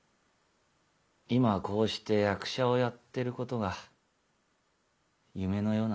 今こうして役者をやってることが夢のようなんだよ。